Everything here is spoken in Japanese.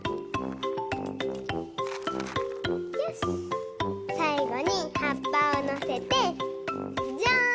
よしさいごにはっぱをのせてジャーン！